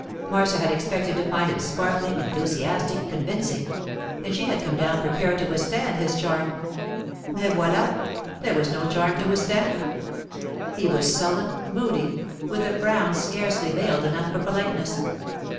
Marcia had expected to find him sparkling, enthusiastic, convincing; and she had come down prepared to withstand his charm. Mais voilà! there was no charm to withstand. He was sullen, moody, with a frown scarcely veiled enough for politeness.